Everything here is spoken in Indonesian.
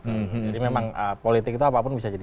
jadi memang politik itu apapun bisa jadi